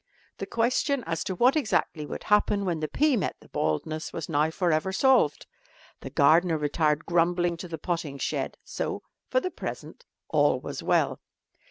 The question as to what exactly would happen when the pea met the baldness was now for ever solved. The gardener retired grumbling to the potting shed, so, for the present, all was well.